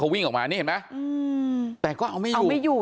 เขาวิ่งออกมาไม่เอาดูพอก็เอาผู้หญิงเด็กก็ไม่อยู่